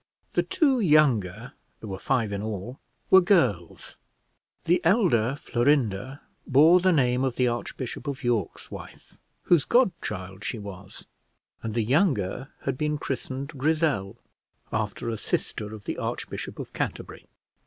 The two younger (there were five in all) were girls; the elder, Florinda, bore the name of the Archbishop of York's wife, whose godchild she was: and the younger had been christened Grizzel, after a sister of the Archbishop of Canterbury.